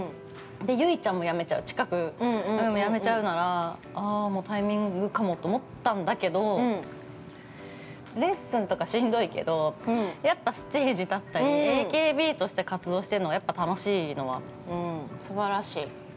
由依ちゃんもやめちゃう、近くやめちゃうなら、タイミングかもって思ったんだけど、レッスンとか、しんどいけど、やっぱりステージに立ったり、ＡＫＢとして活動しているのは、やっぱり楽しいのは、◆すばらしい。